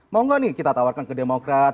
mau gak nih kita tawarkan ke demokrat